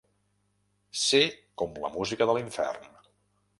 Ser com la música de l'infern.